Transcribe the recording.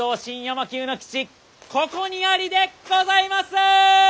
ここにありでございます！